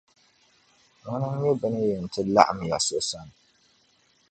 Ŋuna n-nyɛ bɛ ni yɛn ti laɣim ya So sani.